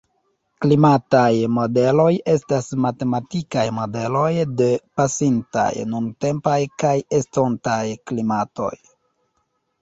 Klimataj modeloj estas matematikaj modeloj de pasintaj, nuntempaj kaj estontaj klimatoj.